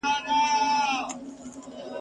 او د شا خورجین یې ټول وه خپل عیبونه ..